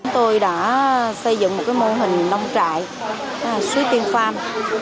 tôi đã xây dựng một mô hình nông trại suối tiên farm